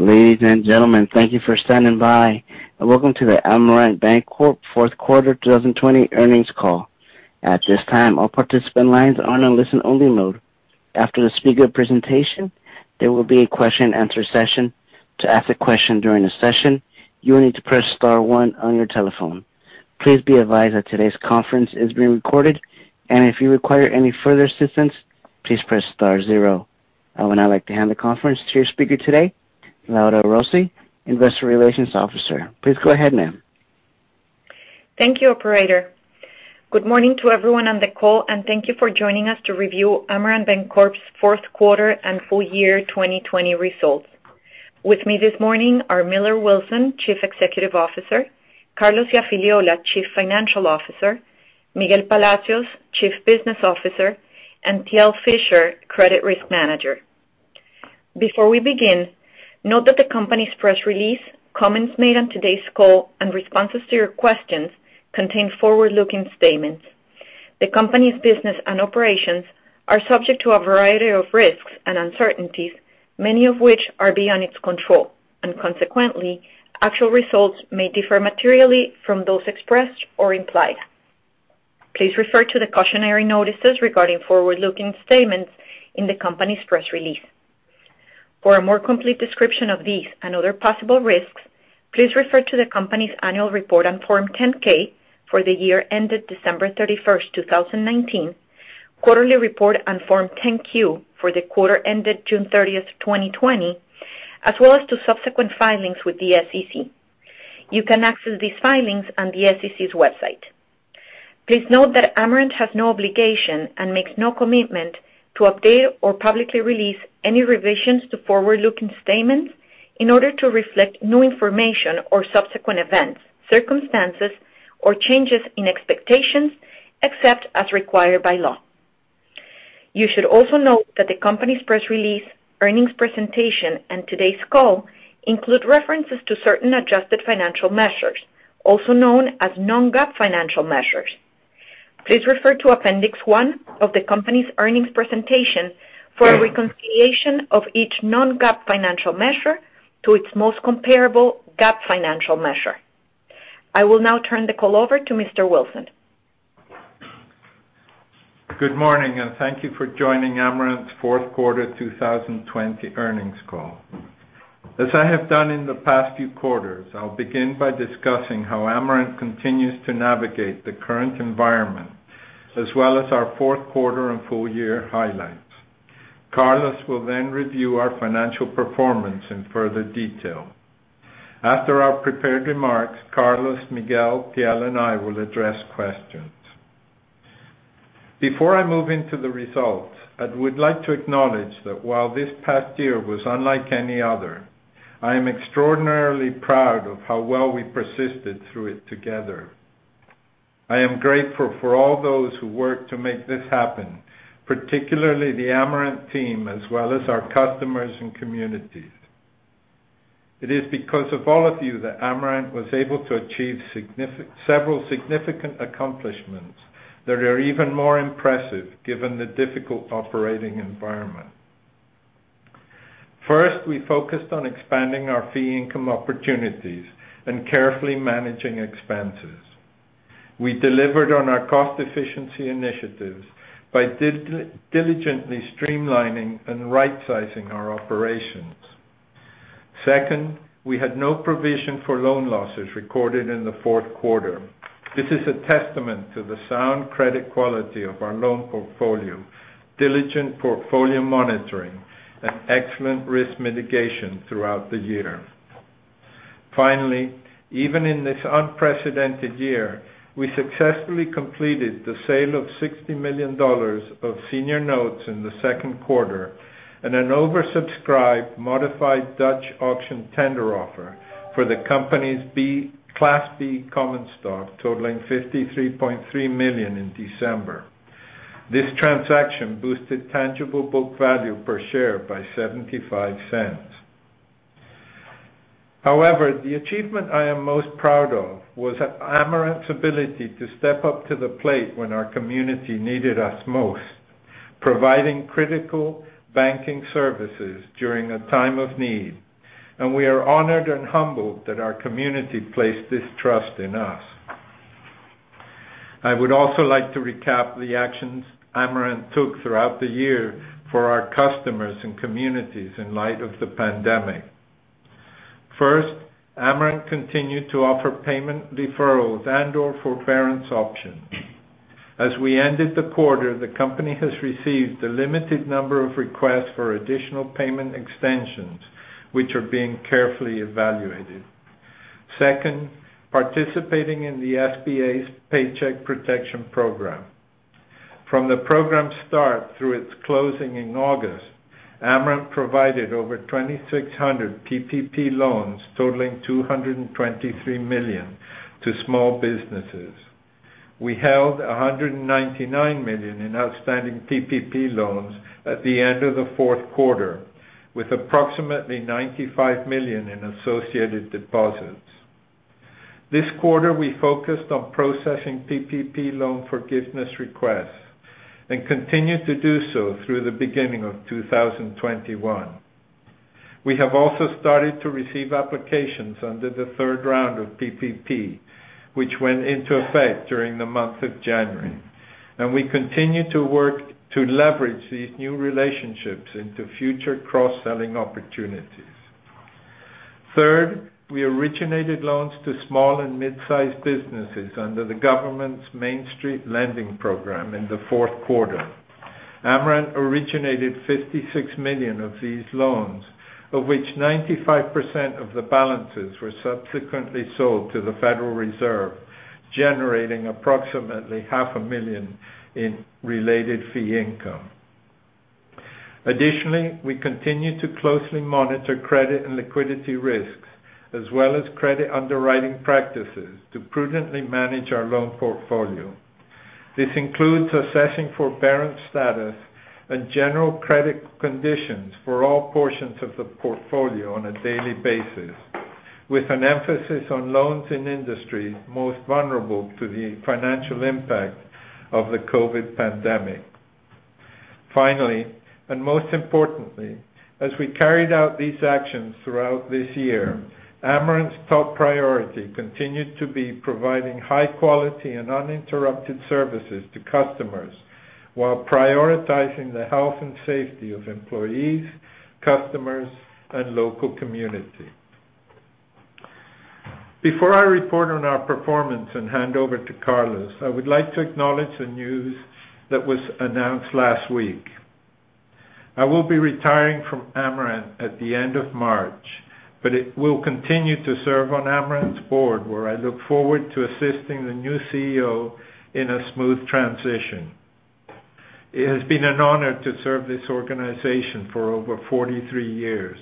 Ladies and gentlemen, thank you for standing by and welcome to the Amerant Bancorp fourth quarter 2020 earnings call. At this time, all participant lines are in a listen-only mode. After the speaker presentation, there will be a question and answer session. To ask a question during the session, you will need to press star, one on your telephone. Please be advised that today's conference is being recorded, and if you require any further assistance, please press star, zero. I would now like to hand the conference to your speaker today, Laura Rossi, Investor Relations Officer. Please go ahead, ma'am. Thank you, operator. Good morning to everyone on the call, and thank you for joining us to review Amerant Bancorp's fourth quarter and full year 2020 results. With me this morning are Millar Wilson, Chief Executive Officer, Carlos Iafigliola, Chief Financial Officer, Miguel Palacios, Chief Business Officer, and Thiel Fischer, Credit Risk Manager. Before we begin, note that the company's press release, comments made on today's call, and responses to your questions contain forward-looking statements. The company's business and operations are subject to a variety of risks and uncertainties, many of which are beyond its control. Consequently, actual results may differ materially from those expressed or implied. Please refer to the cautionary notices regarding forward-looking statements in the company's press release. For a more complete description of these and other possible risks, please refer to the company's annual report on Form 10-K for the year ended December 31st, 2019, quarterly report on Form 10-Q for the quarter ended June 30th, 2020, as well as to subsequent filings with the SEC. You can access these filings on the SEC's website. Please note that Amerant has no obligation and makes no commitment to update or publicly release any revisions to forward-looking statements in order to reflect new information or subsequent events, circumstances, or changes in expectations except as required by law. You should also note that the company's press release, earnings presentation, and today's call include references to certain adjusted financial measures, also known as non-GAAP financial measures. Please refer to Appendix 1 of the company's earnings presentation for a reconciliation of each non-GAAP financial measure to its most comparable GAAP financial measure. I will now turn the call over to Mr. Wilson. Good morning. Thank you for joining Amerant's fourth quarter 2020 earnings call. As I have done in the past few quarters, I'll begin by discussing how Amerant continues to navigate the current environment, as well as our fourth quarter and full year highlights. Carlos will review our financial performance in further detail. After our prepared remarks, Carlos, Miguel, Thiel, and I will address questions. Before I move into the results, I would like to acknowledge that while this past year was unlike any other, I am extraordinarily proud of how well we persisted through it together. I am grateful for all those who worked to make this happen, particularly the Amerant team, as well as our customers and communities. It is because of all of you that Amerant was able to achieve several significant accomplishments that are even more impressive given the difficult operating environment. First, we focused on expanding our fee income opportunities and carefully managing expenses. We delivered on our cost efficiency initiatives by diligently streamlining and right-sizing our operations. Second, we had no provision for loan losses recorded in the fourth quarter. This is a testament to the sound credit quality of our loan portfolio, diligent portfolio monitoring, and excellent risk mitigation throughout the year. Finally, even in this unprecedented year, we successfully completed the sale of $60 million of senior notes in the second quarter and an oversubscribed modified Dutch auction tender offer for the company's Class B common stock totaling $53.3 million in December. This transaction boosted tangible book value per share by $0.75. However, the achievement I am most proud of was Amerant's ability to step up to the plate when our community needed us most, providing critical banking services during a time of need, and we are honored and humbled that our community placed this trust in us. I would also like to recap the actions Amerant took throughout the year for our customers and communities in light of the pandemic. First, Amerant continued to offer payment deferrals and or forbearance options. As we ended the quarter, the company has received a limited number of requests for additional payment extensions, which are being carefully evaluated. Second, participating in the SBA's Paycheck Protection Program. From the program start through its closing in August, Amerant provided over 2,600 PPP loans totaling $223 million to small businesses. We held $199 million in outstanding PPP loans at the end of the fourth quarter with approximately $95 million in associated deposits. This quarter, we focused on processing PPP loan forgiveness requests and continue to do so through the beginning of 2021. We have also started to receive applications under the third round of PPP, which went into effect during the month of January. We continue to work to leverage these new relationships into future cross-selling opportunities. Third, we originated loans to small and mid-sized businesses under the government's Main Street Lending Program in the fourth quarter. Amerant originated $56 million of these loans, of which 95% of the balances were subsequently sold to the Federal Reserve, generating approximately $500,000 in related fee income. Additionally, we continue to closely monitor credit and liquidity risks, as well as credit underwriting practices to prudently manage our loan portfolio. This includes assessing forbearance status and general credit conditions for all portions of the portfolio on a daily basis, with an emphasis on loans in industries most vulnerable to the financial impact of the COVID pandemic. Finally, and most importantly, as we carried out these actions throughout this year, Amerant's top priority continued to be providing high quality and uninterrupted services to customers while prioritizing the health and safety of employees, customers, and local community. Before I report on our performance and hand over to Carlos, I would like to acknowledge the news that was announced last week. I will be retiring from Amerant at the end of March, but will continue to serve on Amerant's board, where I look forward to assisting the new CEO in a smooth transition. It has been an honor to serve this organization for over 43 years.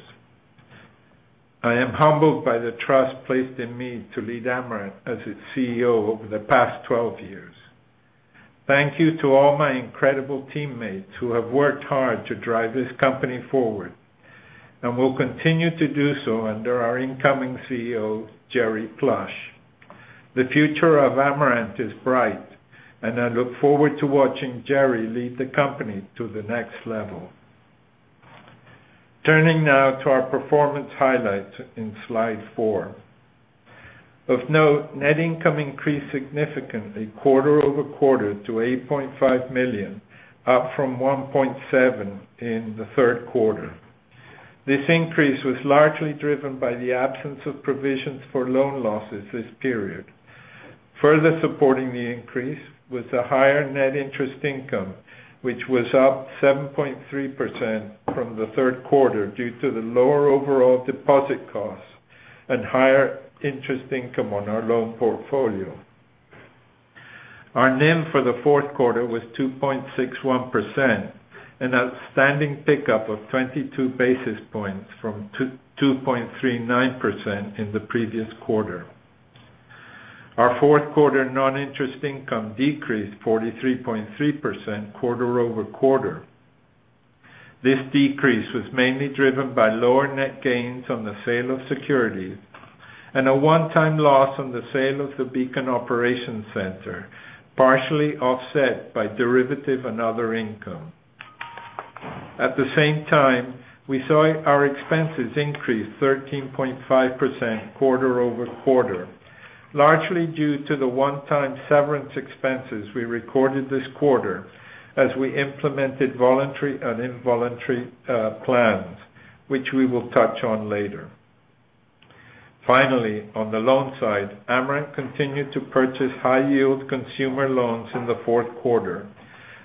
I am humbled by the trust placed in me to lead Amerant as its CEO over the past 12 years. Thank you to all my incredible teammates who have worked hard to drive this company forward, and will continue to do so under our incoming CEO, Jerry Plush. The future of Amerant is bright, and I look forward to watching Jerry lead the company to the next level. Turning now to our performance highlights in Slide 4. Of note, net income increased significantly quarter-over-quarter to $8.5 million, up from $1.7 million in the third quarter. This increase was largely driven by the absence of provisions for loan losses this period. Further supporting the increase was the higher net interest income, which was up 7.3% from the third quarter due to the lower overall deposit costs and higher interest income on our loan portfolio. Our NIM for the fourth quarter was 2.61%, an outstanding pickup of 22 basis points from 2.39% in the previous quarter. Our fourth quarter non-interest income decreased 43.3% quarter-over-quarter. This decrease was mainly driven by lower net gains on the sale of securities and a one-time loss on the sale of the Beacon Operations Center, partially offset by derivative and other income. At the same time, we saw our expenses increase 13.5% quarter-over-quarter, largely due to the one-time severance expenses we recorded this quarter as we implemented voluntary and involuntary plans, which we will touch on later. On the loan side, Amerant continued to purchase high-yield consumer loans in the fourth quarter,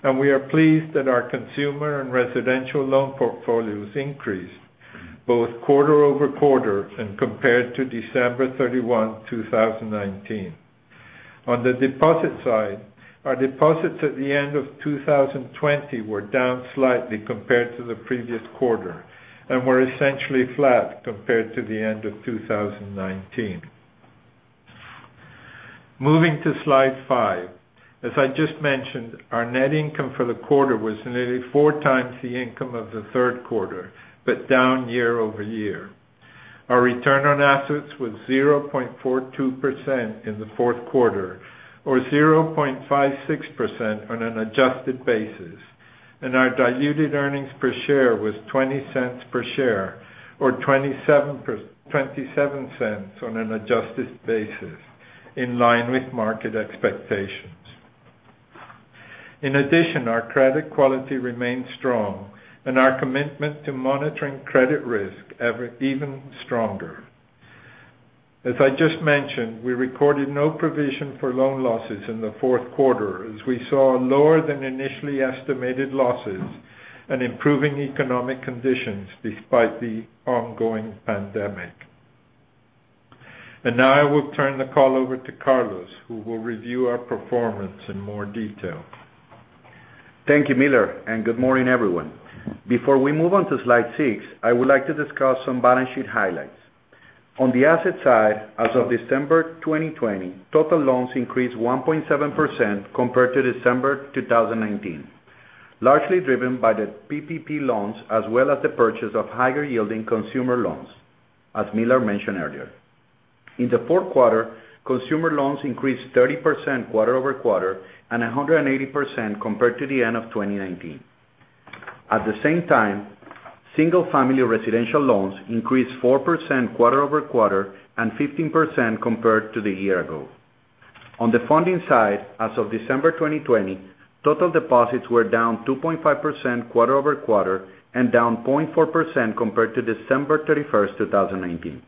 and we are pleased that our consumer and residential loan portfolios increased both quarter-over-quarter and compared to December 31, 2019. On the deposit side, our deposits at the end of 2020 were down slightly compared to the previous quarter and were essentially flat compared to the end of 2019. Moving to Slide 5. As I just mentioned, our net income for the quarter was nearly 4x the income of the third quarter, but down year-over-year. Our return on assets was 0.42% in the fourth quarter, or 0.56% on an adjusted basis, and our diluted earnings per share was $0.20 per share or $0.27 on an adjusted basis, in line with market expectations. In addition, our credit quality remained strong, and our commitment to monitoring credit risk even stronger. As I just mentioned, we recorded no provision for loan losses in the fourth quarter as we saw lower than initially estimated losses and improving economic conditions despite the ongoing pandemic. Now I will turn the call over to Carlos, who will review our performance in more detail. Thank you, Millar, good morning, everyone. Before we move on to slide 6, I would like to discuss some balance sheet highlights. On the asset side, as of December 2020, total loans increased 1.7% compared to December 2019. Largely driven by the PPP loans, as well as the purchase of higher-yielding consumer loans, as Millar mentioned earlier. In the fourth quarter, consumer loans increased 30% quarter-over-quarter and 180% compared to the end of 2019. At the same time, single-family residential loans increased 4% quarter-over-quarter and 15% compared to the year ago. On the funding side, as of December 2020, total deposits were down 2.5% quarter-over-quarter and down 0.4% compared to December 31st, 2019.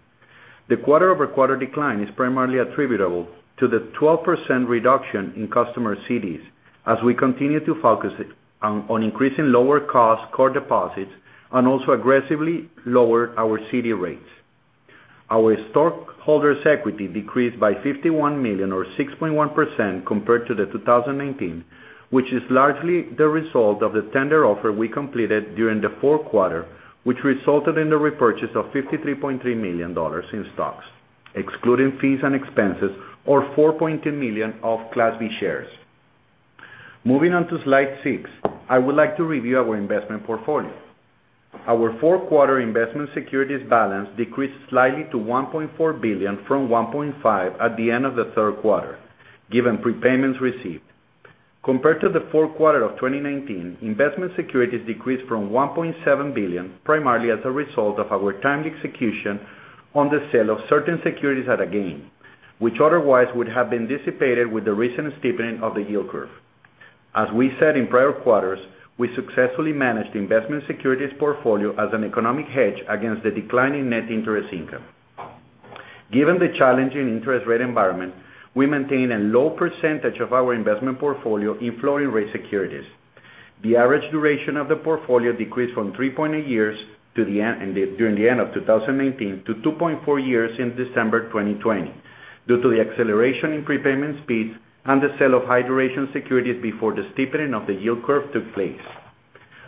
The quarter-over-quarter decline is primarily attributable to the 12% reduction in customer CDs as we continue to focus on increasing lower-cost core deposits and also aggressively lower our CD rates. Our stockholders' equity decreased by $51 million or 6.1% compared to 2019, which is largely the result of the tender offer we completed during the fourth quarter, which resulted in the repurchase of $53.3 million in stocks, excluding fees and expenses, or $4.2 million of Class B shares. Moving on to Slide 6, I would like to review our investment portfolio. Our fourth quarter investment securities balance decreased slightly to $1.4 billion from $1.5 billion at the end of the third quarter, given prepayments received. Compared to the fourth quarter of 2019, investment securities decreased from $1.7 billion, primarily as a result of our timed execution on the sale of certain securities at a gain, which otherwise would have been dissipated with the recent steepening of the yield curve. As we said in prior quarters, we successfully managed the investment securities portfolio as an economic hedge against the decline in net interest income. Given the challenging interest rate environment, we maintain a low percentage of our investment portfolio in floating-rate securities. The average duration of the portfolio decreased from 3.8 years during the end of 2019 to 2.4 years in December 2020 due to the acceleration in prepayment speeds and the sale of high-duration securities before the steepening of the yield curve took place.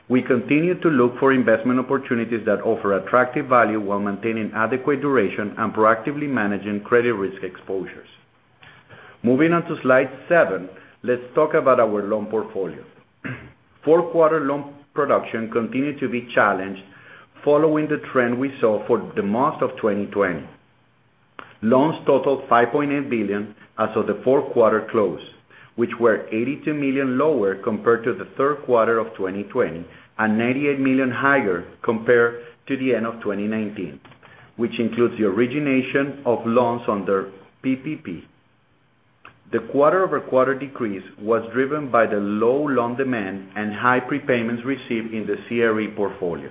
We continue to look for investment opportunities that offer attractive value while maintaining adequate duration and proactively managing credit risk exposures. Moving on to Slide 7, let's talk about our loan portfolio. Fourth quarter loan production continued to be challenged following the trend we saw for the most of 2020. Loans totaled $5.8 billion as of the fourth quarter close, which were $82 million lower compared to the third quarter of 2020 and $98 million higher compared to the end of 2019, which includes the origination of loans under PPP. The quarter-over-quarter decrease was driven by the low loan demand and high prepayments received in the CRE portfolio.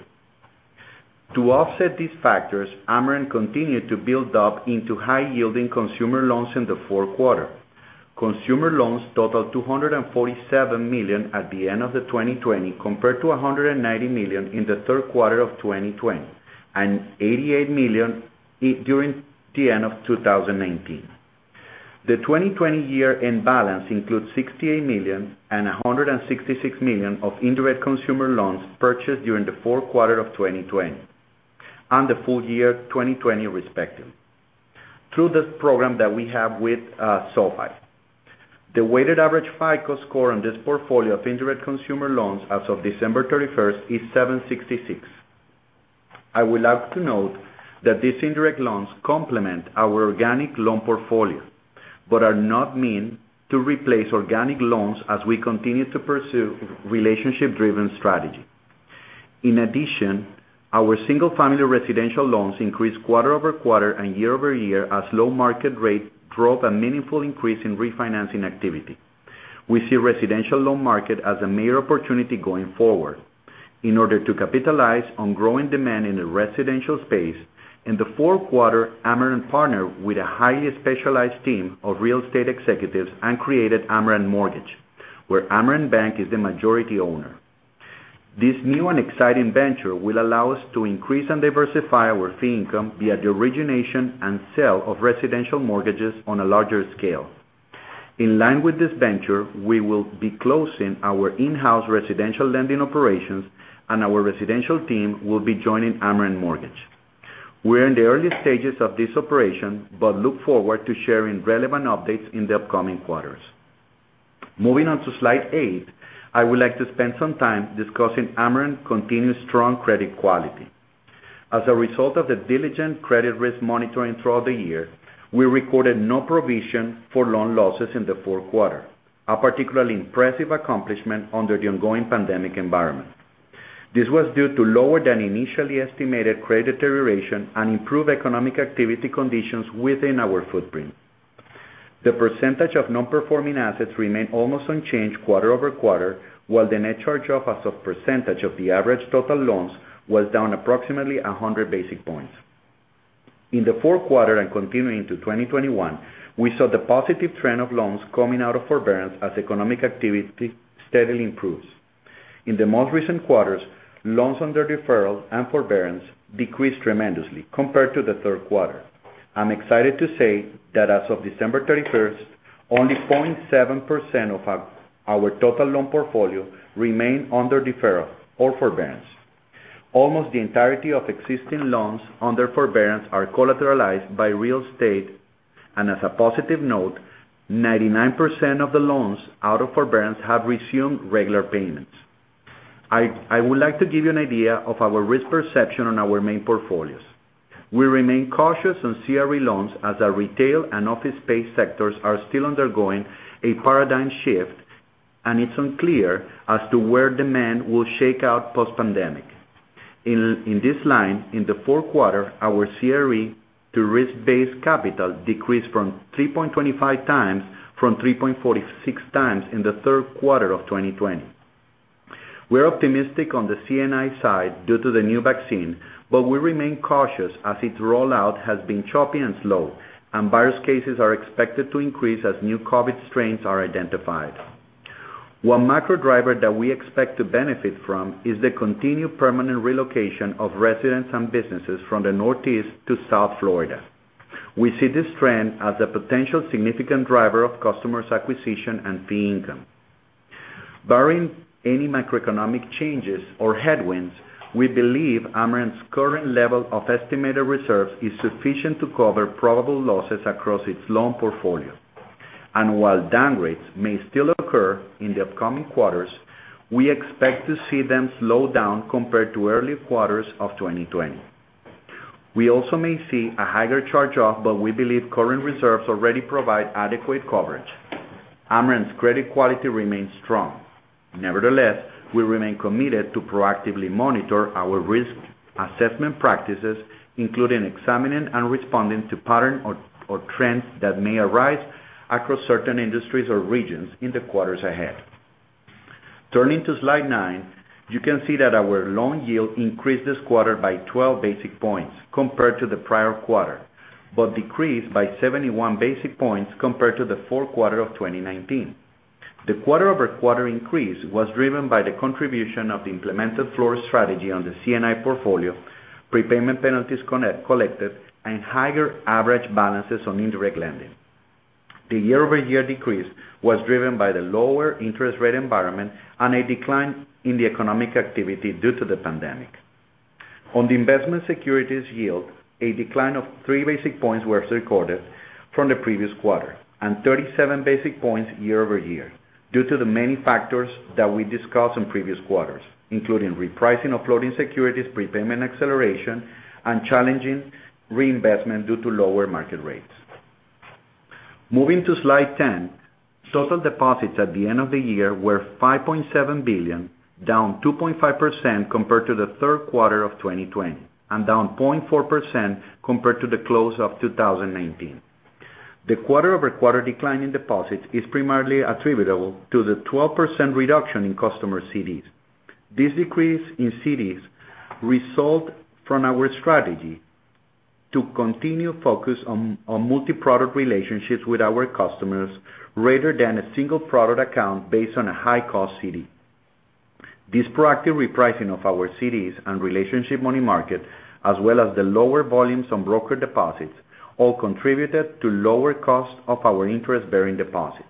To offset these factors, Amerant continued to build up into high-yielding consumer loans in the fourth quarter. Consumer loans totaled $247 million at the end of 2020 compared to $190 million in the third quarter of 2020 and $88 million during the end of 2019. The 2020 year-end balance includes $68 million and $166 million of indirect consumer loans purchased during the fourth quarter of 2020 and the full year 2020 respective, through the program that we have with SoFi. The weighted average FICO score on this portfolio of indirect consumer loans as of December 31st is 766. I would like to note that these indirect loans complement our organic loan portfolio, but are not mean to replace organic loans as we continue to pursue relationship-driven strategy. In addition, our single-family residential loans increased quarter-over-quarter and year-over-year as low market rate drove a meaningful increase in refinancing activity. We see residential loan market as a major opportunity going forward. In order to capitalize on growing demand in the residential space, in the fourth quarter, Amerant partnered with a highly specialized team of real estate executives and created Amerant Mortgage, where Amerant Bank is the majority owner. This new and exciting venture will allow us to increase and diversify our fee income via the origination and sale of residential mortgages on a larger scale. In line with this venture, we will be closing our in-house residential lending operations and our residential team will be joining Amerant Mortgage. We're in the early stages of this operation, but look forward to sharing relevant updates in the upcoming quarters. Moving on to Slide 8, I would like to spend some time discussing Amerant continued strong credit quality. As a result of the diligent credit risk monitoring throughout the year, we recorded no provision for loan losses in the fourth quarter, a particularly impressive accomplishment under the ongoing pandemic environment. This was due to lower than initially estimated credit deterioration and improved economic activity conditions within our footprint. The percentage of non-performing assets remained almost unchanged quarter-over-quarter, while the net charge-off as a percentage of the average total loans was down approximately 100 basis points. In the fourth quarter and continuing to 2021, we saw the positive trend of loans coming out of forbearance as economic activity steadily improves. In the most recent quarters, loans under deferral and forbearance decreased tremendously compared to the third quarter. I'm excited to say that as of December 31st, only 0.7% of our total loan portfolio remained under deferral or forbearance. Almost the entirety of existing loans under forbearance are collateralized by real estate, and as a positive note, 99% of the loans out of forbearance have resumed regular payments. I would like to give you an idea of our risk perception on our main portfolios. We remain cautious on CRE loans as our retail and office space sectors are still undergoing a paradigm shift, and it's unclear as to where demand will shake out post-pandemic. In this line, in the fourth quarter, our CRE to risk-based capital decreased from 3.25x from 3.46x in the third quarter of 2020. We're optimistic on the C&I side due to the new vaccine, but we remain cautious as its rollout has been choppy and slow, and virus cases are expected to increase as new COVID strains are identified. One macro driver that we expect to benefit from is the continued permanent relocation of residents and businesses from the Northeast to South Florida. We see this trend as a potential significant driver of customers acquisition and fee income. Barring any macroeconomic changes or headwinds, we believe Amerant's current level of estimated reserves is sufficient to cover probable losses across its loan portfolio. While downgrades may still occur in the upcoming quarters, we expect to see them slow down compared to early quarters of 2020. We also may see a higher charge-off, but we believe current reserves already provide adequate coverage. Amerant's credit quality remains strong. Nevertheless, we remain committed to proactively monitor our risk assessment practices, including examining and responding to pattern or trends that may arise across certain industries or regions in the quarters ahead. Turning to Slide 9, you can see that our loan yield increased this quarter by 12 basis points compared to the prior quarter, but decreased by 71 basis points compared to the fourth quarter of 2019. The quarter-over-quarter increase was driven by the contribution of the implemented floor strategy on the C&I portfolio, prepayment penalties collected, and higher average balances on indirect lending. The year-over-year decrease was driven by the lower interest rate environment and a decline in the economic activity due to the pandemic. On the investment securities yield, a decline of 3 basis points were recorded from the previous quarter, and 37 basis points year-over-year due to the many factors that we discussed in previous quarters, including repricing of floating securities, prepayment acceleration, and challenging reinvestment due to lower market rates. Moving to slide 10, total deposits at the end of the year were $5.7 billion, down 2.5% compared to the third quarter of 2020, and down 0.4% compared to the close of 2019. The quarter-over-quarter decline in deposits is primarily attributable to the 12% reduction in customer CDs. This decrease in CDs result from our strategy to continue focus on multi-product relationships with our customers rather than a single product account based on a high-cost CD. This proactive repricing of our CDs and relationship money market, as well as the lower volumes on broker deposits, all contributed to lower cost of our interest-bearing deposits.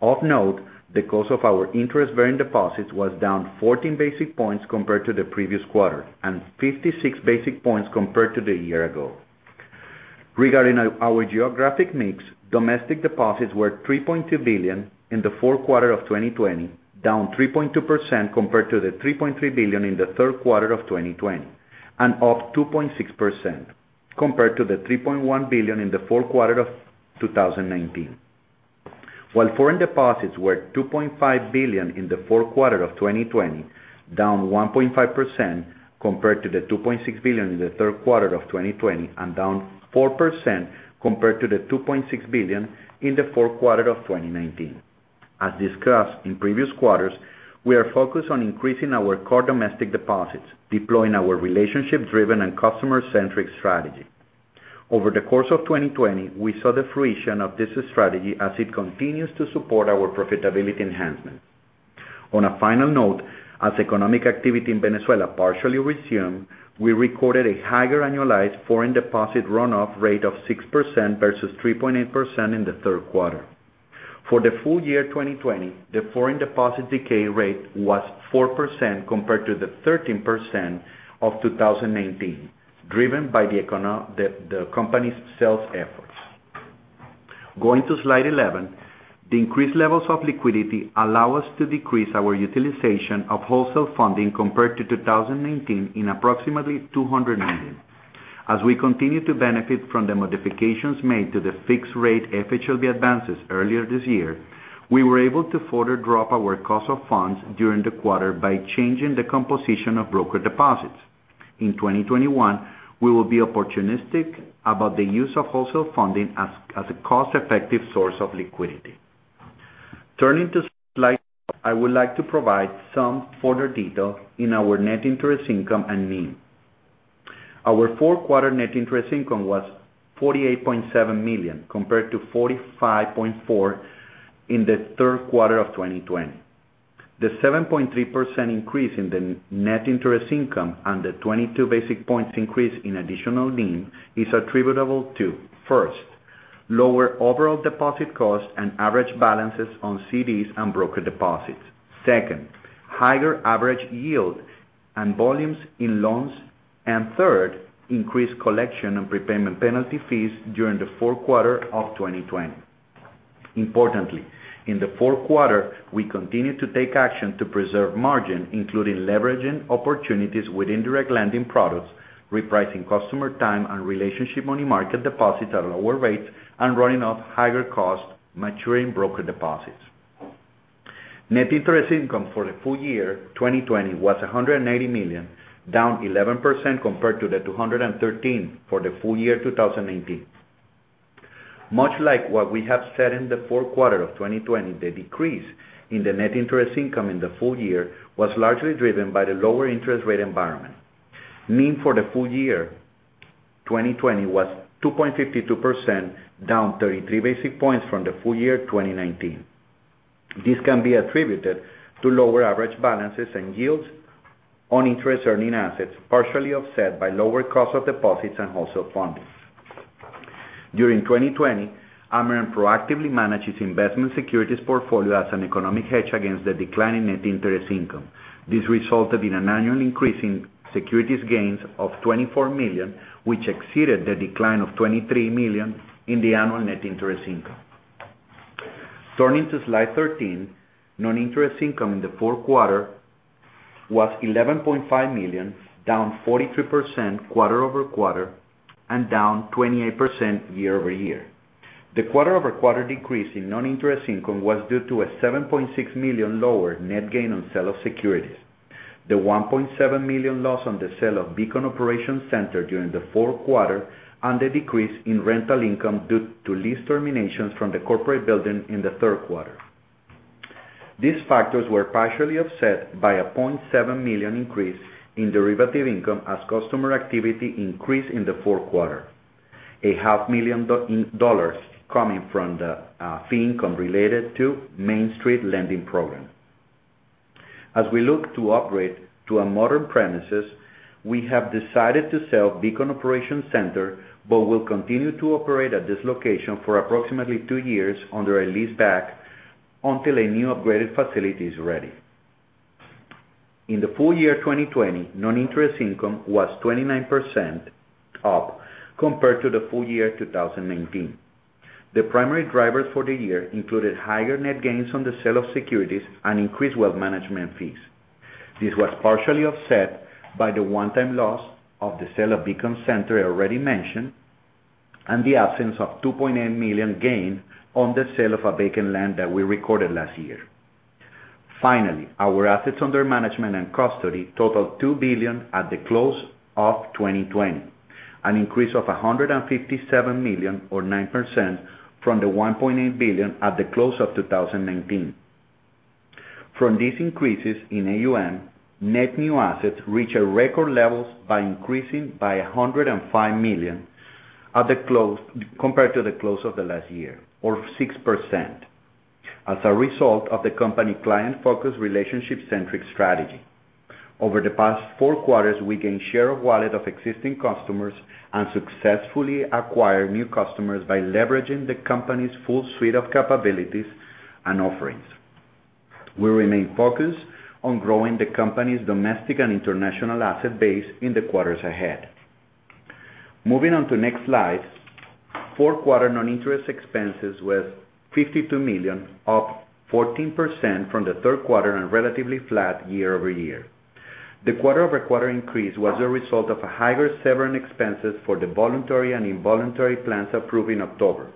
Of note, the cost of our interest-bearing deposits was down 14 basis points compared to the previous quarter and 56 basis points compared to the year ago. Regarding our geographic mix, domestic deposits were $3.2 billion in the fourth quarter of 2020, down 3.2% compared to the $3.3 billion in the third quarter of 2020, and up 2.6% compared to the $3.1 billion in the fourth quarter of 2019. While foreign deposits were $2.5 billion in the fourth quarter of 2020, down 1.5% compared to the $2.6 billion in the third quarter of 2020, and down 4% compared to the $2.6 billion in the fourth quarter of 2019. As discussed in previous quarters, we are focused on increasing our core domestic deposits, deploying our relationship-driven and customer-centric strategy. Over the course of 2020, we saw the fruition of this strategy as it continues to support our profitability enhancement. On a final note, as economic activity in Venezuela partially resumed, we recorded a higher annualized foreign deposit runoff rate of 6% versus 3.8% in the third quarter. For the full year 2020, the foreign deposit decay rate was 4% compared to the 13% of 2019, driven by the company's sales efforts. Going to slide 11, the increased levels of liquidity allow us to decrease our utilization of wholesale funding compared to 2019 in approximately $200 million. As we continue to benefit from the modifications made to the fixed rate FHLB advances earlier this year, we were able to further drop our cost of funds during the quarter by changing the composition of broker deposits. In 2021, we will be opportunistic about the use of wholesale funding as a cost-effective source of liquidity. Turning to slide, I would like to provide some further detail in our net interest income and NIM. Our fourth quarter net interest income was $48.7 million compared to $45.4 million in the third quarter of 2020. The 7.3% increase in the net interest income and the 22 basis points increase in additional NIM is attributable to; first, lower overall deposit costs and average balances on CDs and broker deposits. Second, higher average yield and volumes in loans. Third, increased collection on prepayment penalty fees during the fourth quarter of 2020. Importantly, in the fourth quarter, we continued to take action to preserve margin, including leveraging opportunities with indirect lending products, repricing customer time and relationship money market deposits at lower rates, and running off higher cost maturing broker deposits. Net interest income for the full year 2020 was $180 million, down 11% compared to the $213 million for the full year 2019. Much like what we have said in the fourth quarter of 2020, the decrease in the net interest income in the full year was largely driven by the lower interest rate environment. NIM for the full year 2020 was 2.52%, down 33 basis points from the full year 2019. This can be attributed to lower average balances and yields on interest-earning assets, partially offset by lower cost of deposits and wholesale funding. During 2020, Amerant proactively managed its investment securities portfolio as an economic hedge against the decline in net interest income. This resulted in an annual increase in securities gains of $24 million, which exceeded the decline of $23 million in the annual net interest income. Turning to slide 13, non-interest income in the fourth quarter was $11.5 million, down 43% quarter-over-quarter and down 28% year-over-year. The quarter-over-quarter decrease in non-interest income was due to a $7.6 million lower net gain on sale of securities, the $1.7 million loss on the sale of Beacon Operations Center during the fourth quarter, and the decrease in rental income due to lease terminations from the corporate building in the third quarter. These factors were partially offset by a $0.7 million increase in derivative income as customer activity increased in the fourth quarter, $500,000 coming from the fee income related to Main Street Lending Program. As we look to upgrade to a modern premises, we have decided to sell Beacon Operations Center, but will continue to operate at this location for approximately two years under a leaseback until a new upgraded facility is ready. In the full year 2020, non-interest income was 29% up compared to the full year 2019. The primary driver for the year included higher net gains on the sale of securities and increased wealth management fees. This was partially offset by the one-time loss of the sale of Beacon Center already mentioned and the absence of $2.8 million gain on the sale of a vacant land that we recorded last year. Our assets under management and custody totaled $2 billion at the close of 2020, an increase of $157 million or 9% from the $1.8 billion at the close of 2019. From these increases in AUM, net new assets reached record levels by increasing by $105 million compared to the close of the last year, or 6%, as a result of the company client-focused, relationship-centric strategy. Over the past four quarters, we gained share of wallet of existing customers and successfully acquired new customers by leveraging the company's full suite of capabilities and offerings. We remain focused on growing the company's domestic and international asset base in the quarters ahead. Moving on to next slide, fourth quarter non-interest expenses was $52 million, up 14% from the third quarter and relatively flat year-over-year. The quarter-over-quarter increase was a result of higher severance expenses for the voluntary and involuntary plans approved in October,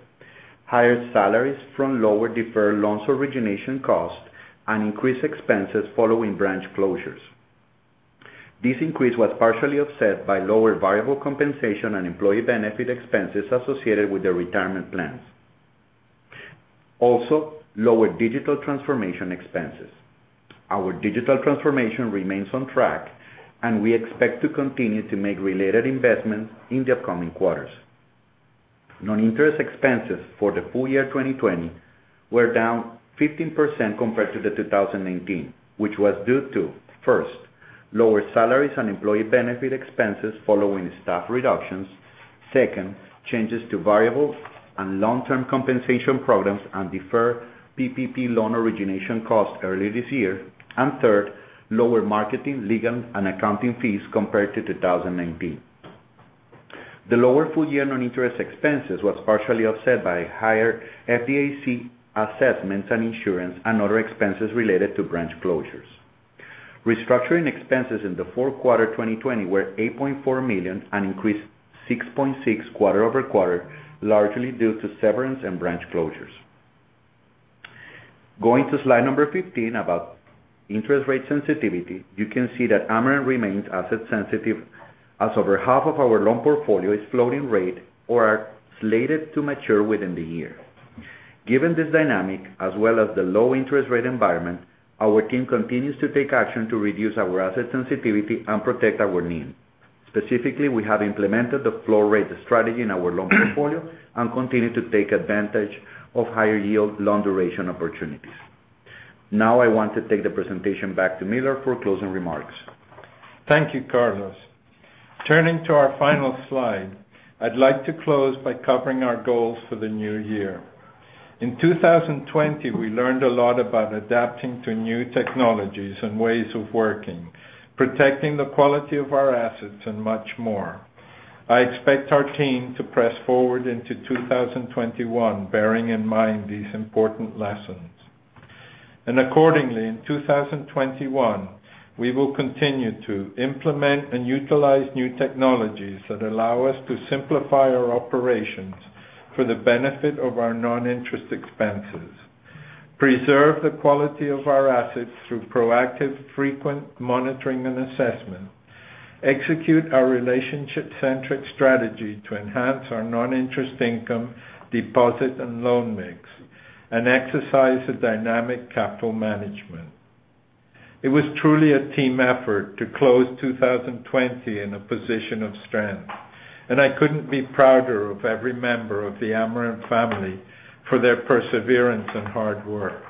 higher salaries from lower deferred loans origination costs, and increased expenses following branch closures. This increase was partially offset by lower variable compensation and employee benefit expenses associated with the retirement plans. Lower digital transformation expenses. Our digital transformation remains on track, and we expect to continue to make related investments in the upcoming quarters. Non-interest expenses for the full year 2020 were down 15% compared to the 2019, which was due to; first, lower salaries and employee benefit expenses following staff reductions. Second, changes to variable and long-term compensation programs and deferred PPP loan origination costs early this year. Third, lower marketing, legal, and accounting fees compared to 2019. The lower full-year non-interest expenses was partially offset by higher FDIC assessments and insurance and other expenses related to branch closures. Restructuring expenses in the fourth quarter 2020 were $8.4 million, an increase of 6.6% quarter-over-quarter, largely due to severance and branch closures. Going to slide 15, about interest rate sensitivity, you can see that Amerant remains asset sensitive as over half of our loan portfolio is floating rate or are slated to mature within the year. Given this dynamic, as well as the low interest rate environment, our team continues to take action to reduce our asset sensitivity and protect our NIM. Specifically, we have implemented the floor rate strategy in our loan portfolio and continue to take advantage of higher yield loan duration opportunities. Now I want to take the presentation back to Millar for closing remarks. Thank you, Carlos. Turning to our final slide, I'd like to close by covering our goals for the new year. In 2020, we learned a lot about adapting to new technologies and ways of working, protecting the quality of our assets, and much more. I expect our team to press forward into 2021, bearing in mind these important lessons. Accordingly, in 2021, we will continue to implement and utilize new technologies that allow us to simplify our operations for the benefit of our non-interest expenses, preserve the quality of our assets through proactive, frequent monitoring and assessment, execute our relationship-centric strategy to enhance our non-interest income deposit and loan mix, and exercise a dynamic capital management. It was truly a team effort to close 2020 in a position of strength, and I couldn't be prouder of every member of the Amerant family for their perseverance and hard work.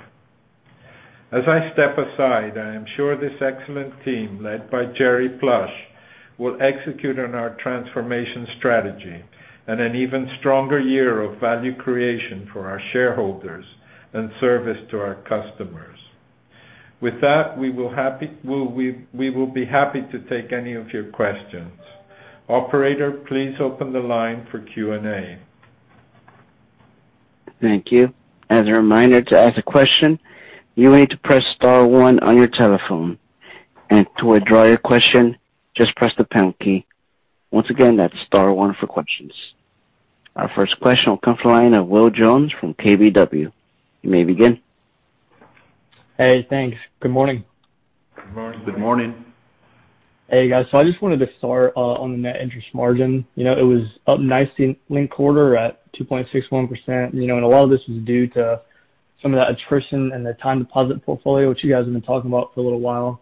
As I step aside, I am sure this excellent team, led by Jerry Plush, will execute on our transformation strategy and an even stronger year of value creation for our shareholders and service to our customers. With that, we will be happy to take any of your questions. Operator, please open the line for Q&A. Thank you. As a reminder, to ask a question, you need to press star, one on your telephone, and to withdraw your question, just press the pound key. Once again, that's star, one for questions. Our first question will come from the line of Will Jones from KBW. You may begin. Hey, thanks. Good morning. Good morning. Good morning. Hey, guys. I just wanted to start on the net interest margin. It was up nicely in quarter at 2.61%, and a lot of this was due to some of that attrition in the time deposit portfolio, which you guys have been talking about for a little while.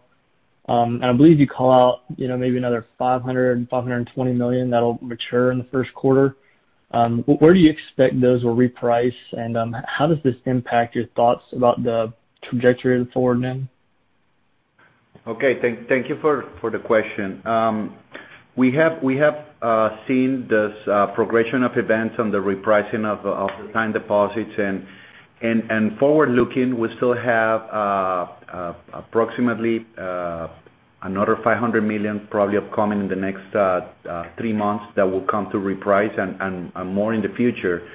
I believe you call out maybe another $500 million-$520 million that'll mature in the first quarter. Where do you expect those will reprice, and how does this impact your thoughts about the trajectory going forward then? Okay. Thank you for the question. We have seen this progression of events on the repricing of the time deposits. Forward-looking, we still have approximately another $500 million probably upcoming in the next three months that will come to reprice, and more in the future.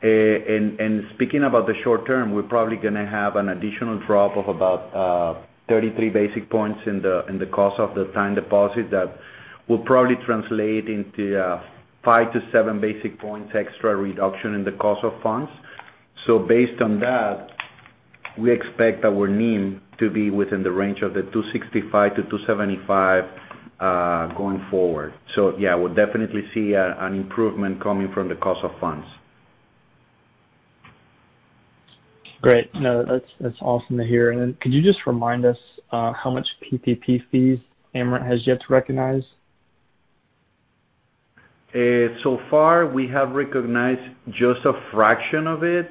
Speaking about the short term, we're probably going to have an additional drop of about 33 basis points in the cost of the time deposit that will probably translate into 5-7 basis points extra reduction in the cost of funds. Based on that, we expect our NIM to be within the range of the 2.65%-2.75% Going forward. Yeah, we'll definitely see an improvement coming from the cost of funds. Great. No, that's awesome to hear. Could you just remind us how much PPP fees Amerant has yet to recognize? Far, we have recognized just a fraction of it,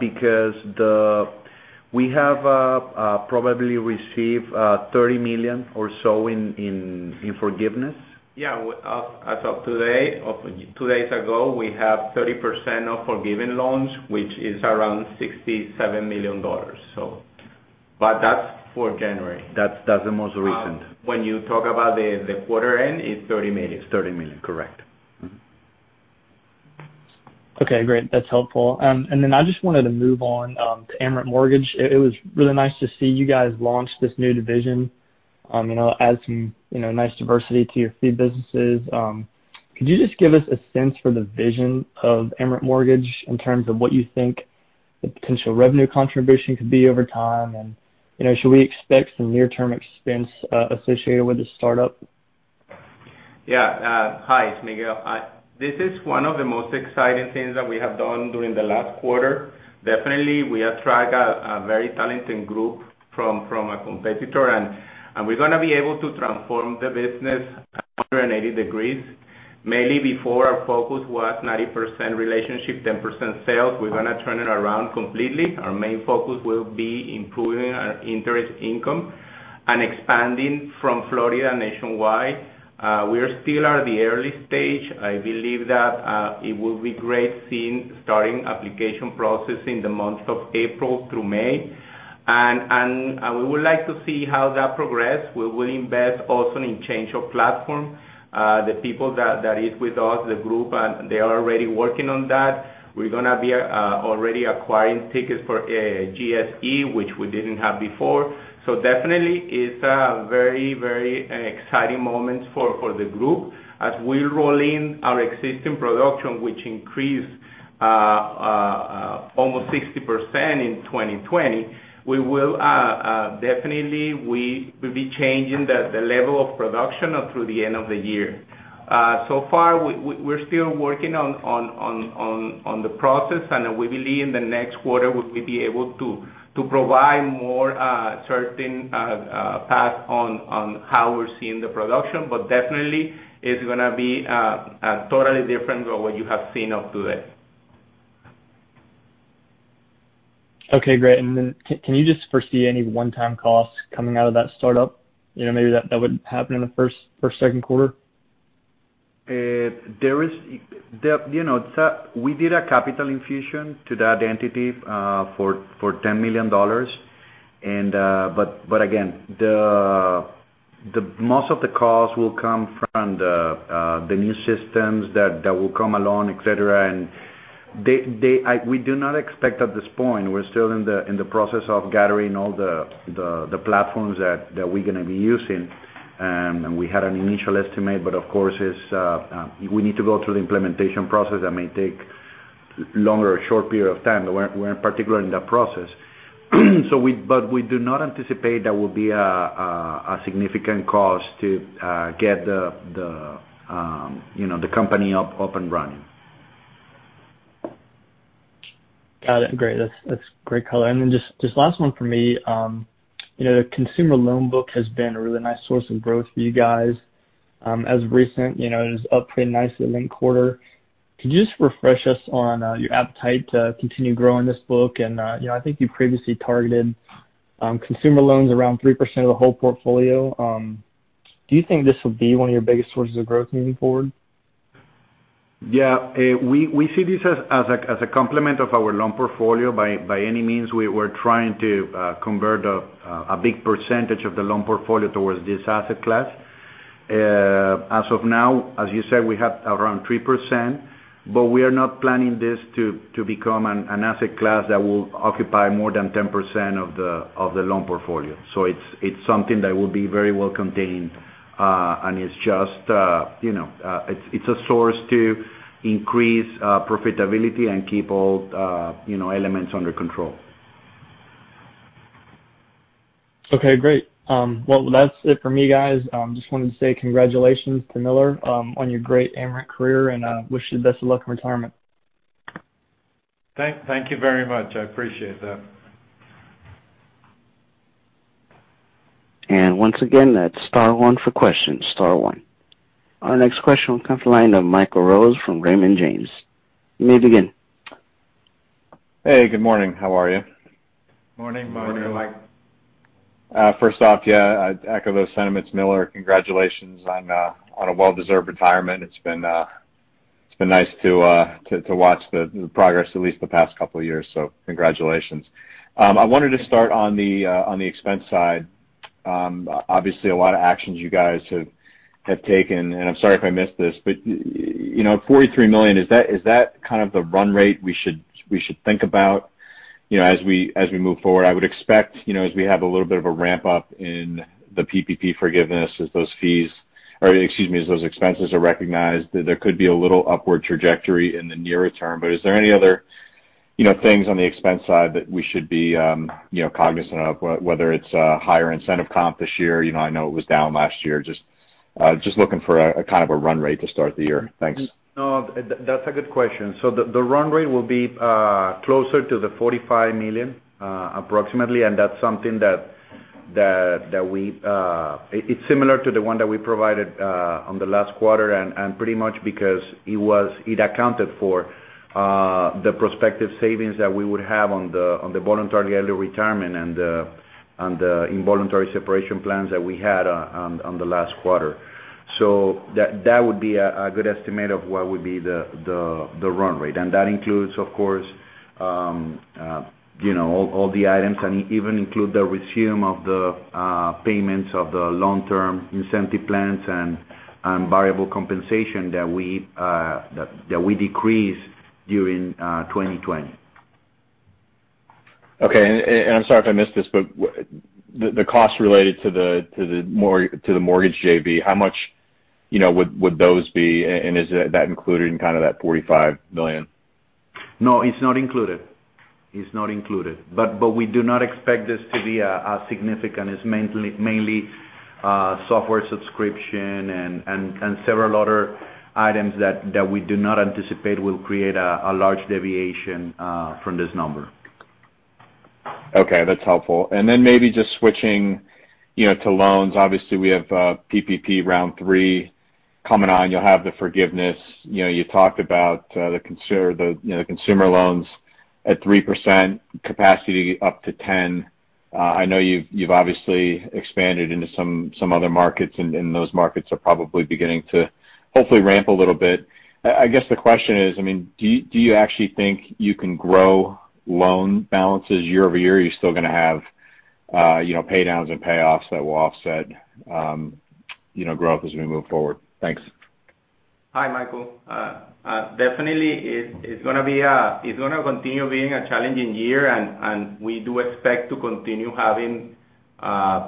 because we have probably received $30 million or so in forgiveness. Yeah. As of today, or two days ago, we have 30% of forgiven loans, which is around $67 million. That's for January, that's the most recent. You talk about the quarter end, it's $30 million. It's $30 million, correct. Mm-hmm. Okay, great. That's helpful. I just wanted to move on to Amerant Mortgage, it was really nice to see you guys launch this new division. It adds some nice diversity to your fee businesses. Could you just give us a sense for the vision of Amerant Mortgage in terms of what you think the potential revenue contribution could be over time? Should we expect some near-term expense associated with the startup? Yeah. Hi, it's Miguel. This is one of the most exciting things that we have done during the last quarter. Definitely, we attract a very talented group from a competitor, and we're going to be able to transform the business 180 degrees. Mainly before, our focus was 90% relationship, 10% sales, we're going to turn it around completely. Our main focus will be improving our interest income and expanding from Florida nationwide. We are still at the early stage, I believe that it will be great seeing starting application process in the months of April through May. We would like to see how that progress, we will invest also in change of platform. The people that is with us, the group, they are already working on that. We're going to be already acquiring tickets for GSE, which we didn't have before. Definitely, it's a very exciting moment for the group. As we roll in our existing production, which increased almost 60% in 2020, definitely we will be changing the level of production through the end of the year. We're still working on the process, and we believe in the next quarter, we will be able to provide more certain path on how we're seeing the production. Definitely, it's going to be totally different than what you have seen up to date. Okay, great. Can you just foresee any one-time costs coming out of that startup? Maybe that would happen in the first or second quarter. We did a capital infusion to that entity for $10 million. Again, most of the costs will come from the new systems that will come along, et cetera. We do not expect at this point, we're still in the process of gathering all the platforms that we're going to be using. We had an initial estimate, but of course, we need to go through the implementation process, that may take longer or short period of time. We're in particular in that process, we do not anticipate that will be a significant cost to get the company up and running. Got it. Great, that's great color. Just last one from me; the consumer loan book has been a really nice source of growth for you guys, as of recent, it is up pretty nicely in the quarter. Could you just refresh us on your appetite to continue growing this book? I think you previously targeted consumer loans around 3% of the whole portfolio. Do you think this will be one of your biggest sources of growth moving forward? Yeah. We see this as a complement of our loan portfolio. By any means, we were trying to convert a big percentage of the loan portfolio towards this asset class. As of now, as you said, we have around 3%, but we are not planning this to become an asset class that will occupy more than 10% of the loan portfolio. It's something that will be very well-contained. It's a source to increase profitability and keep all elements under control. Okay, great. That's it for me, guys. Just wanted to say congratulations to Millar on your great Amerant career, and wish you the best of luck in retirement. Thank you very much. I appreciate that. Once again, press star, one for questions, star, one. Our next question will come from the line of Michael Rose from Raymond James. You may begin. Hey, good morning. How are you? Morning, Michael. Morning, Mike. First off, yeah, I echo those sentiments, Millar. Congratulations on a well-deserved retirement. It's been nice to watch the progress, at least the past couple of years. Congratulations. I wanted to start on the expense side. Obviously, a lot of actions you guys have taken, and I'm sorry if I missed this, but $43 million, is that kind of the run rate we should think about as we move forward? I would expect, as we have a little bit of a ramp-up in the PPP forgiveness as those expenses are recognized, that there could be a little upward trajectory in the nearer term. Is there any other things on the expense side that we should be cognizant of, whether it's higher incentive comp this year? I know it was down last year. Just looking for a kind of a run rate to start the year. Thanks. That's a good question. The run rate will be closer to the $45 million, approximately, and that's something that it's similar to the one that we provided on the last quarter, and pretty much because it accounted for the prospective savings that we would have on the voluntary early retirement and the involuntary separation plans that we had on the last quarter. That would be a good estimate of what would be the run rate. That includes, of course, all the items, and even include the resumption of the payments of the long-term incentive plans and variable compensation that we decreased during 2020. Okay. I'm sorry if I missed this, but the cost related to the mortgage JV, how much would those be, and is that included in kind of that $45 million? No, it's not included. We do not expect this to be as significant, it's mainly software subscription and several other items that we do not anticipate will create a large deviation from this number. Okay, that's helpful. Then maybe just switching to loans. Obviously, we have PPP round three coming on, you'll have the forgiveness, you talked about the consumer loans at 3% capacity up to 10%. I know you've obviously expanded into some other markets, and those markets are probably beginning to hopefully ramp a little bit. I guess the question is, do you actually think you can grow loan balances year-over-year? Are you still going to have pay downs and payoffs that will offset growth as we move forward? Thanks. Hi, Michael. Definitely, it's going to continue being a challenging year, and we do expect to continue having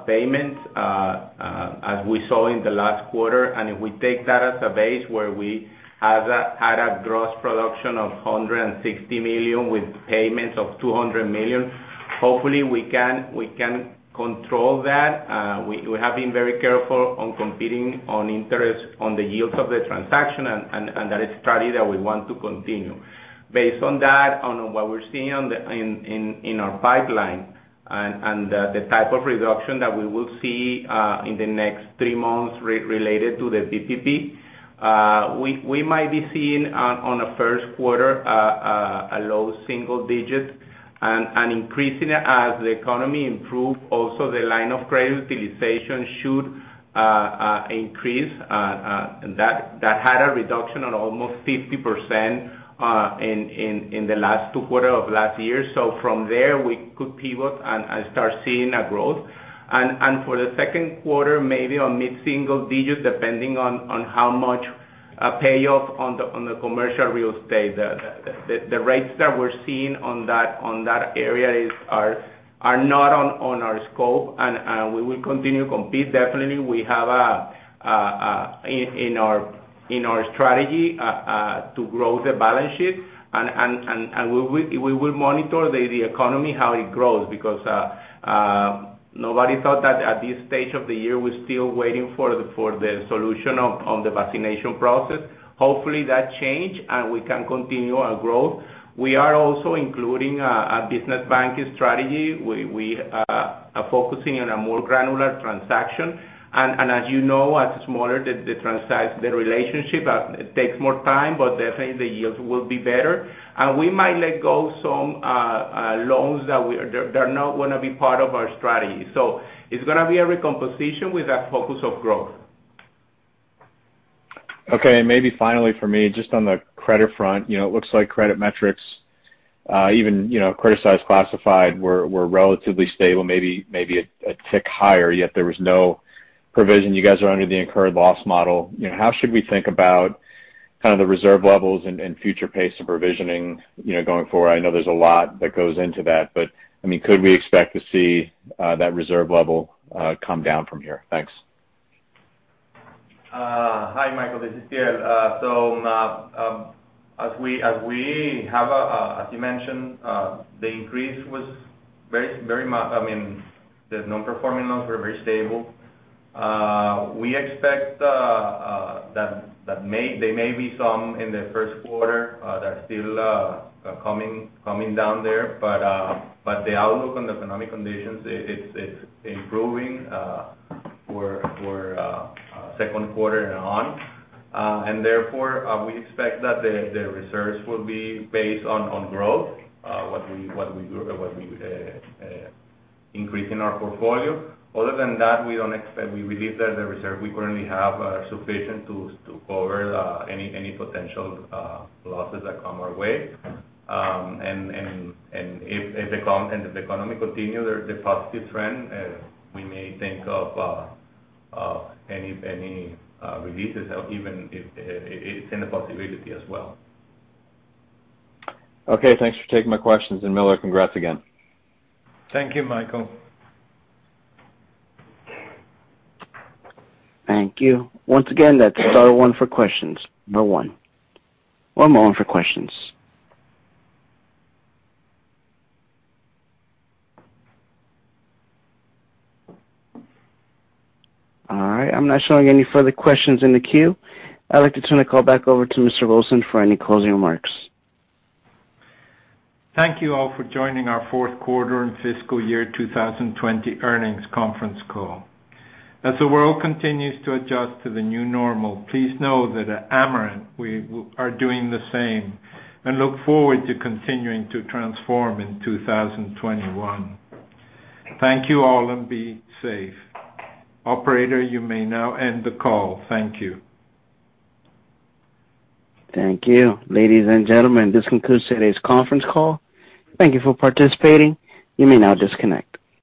payments as we saw in the last quarter. If we take that as a base where we had a gross production of $160 million with payments of $200 million, hopefully we can control that. We have been very careful on competing on interest on the yields of the transaction, and that is a strategy that we want to continue. Based on what we're seeing in our pipeline and the type of reduction that we will see in the next three months related to the PPP, we might be seeing on the first quarter a low single digit and increasing as the economy improve, also the line of credit utilization should increase. That had a reduction of almost 50% in the last two quarters of last year. From there, we could pivot and start seeing a growth. For the second quarter, maybe on mid-single digits, depending on how much payoff on the commercial real estate. The rates that we're seeing on that area are not on our scope, and we will continue to compete. Definitely, we have in our strategy, to grow the balance sheet. We will monitor the economy, how it grows, because nobody thought that at this stage of the year, we're still waiting for the solution of the vaccination process. Hopefully, that change, and we can continue our growth. We are also including a business banking strategy, we are focusing on a more granular transaction. As you know, as smaller the relationship, it takes more time, but definitely the yields will be better. We might let go some loans that are not going to be part of our strategy. It's going to be a recomposition with a focus on growth. Okay. Maybe finally for me, just on the credit front. It looks like credit metrics even criticized, classified were relatively stable, maybe a tick higher, yet there was no provision. You guys are under the incurred loss model. How should we think about the reserve levels and future pace of provisioning going forward? I know there's a lot that goes into that, but could we expect to see that reserve level come down from here? Thanks. Hi, Michael, this is Thiel. As you mentioned, the non-performing loans were very stable. We expect that there may be some in the first quarter that are still coming down there, the outlook on the economic conditions, it's improving for second quarter and on. Therefore, we expect that the reserves will be based on growth, what we increase in our portfolio. Other than that, we believe that the reserve we currently have are sufficient to cover any potential losses that come our way. If the economy continue the positive trend, we may think of any releases, or even it's in the possibility as well. Okay. Thanks for taking my questions. Millar, congrats again. Thank you, Michael. Thank you. Once again, press star, one for questions. One moment for questions. All right, I'm not showing any further questions in the queue. I'd like to turn the call back over to Mr. Wilson for any closing remarks. Thank you all for joining our fourth quarter and fiscal year 2020 earnings conference call. As the world continues to adjust to the new normal, please know that at Amerant, we are doing the same and look forward to continuing to transform in 2021. Thank you all, and be safe. Operator, you may now end the call. Thank you. Thank you. Ladies and gentlemen, this concludes today's conference call. Thank you for participating, you may now disconnect.